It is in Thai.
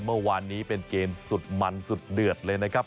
เมื่อวานนี้เป็นเกมสุดมันสุดเดือดเลยนะครับ